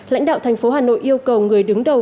lãnh đạo tp hà nội yêu cầu người đứng đầu